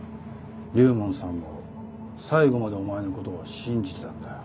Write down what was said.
龍門さんも最後までお前のことを信じてたんだよ。